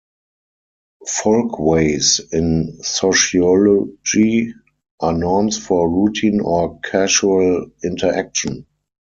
Folkways, in sociology, are norms for routine or casual interaction.